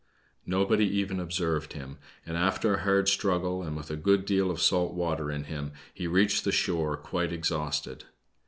No body even observed him, and after a hard struggle, and with a good deal of salt water in him, he reached the shore, quite exhausted.